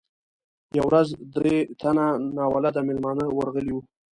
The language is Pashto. یوه ورځ درې تنه ناولده میلمانه ورغلي وو.